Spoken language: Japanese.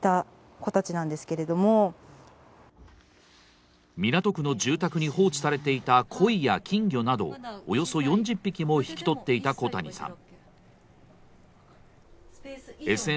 さらに港区の住宅に放置されていた鯉や金魚などおよそ４０匹も引き取っていた小谷さん。